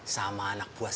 sama anak buah saya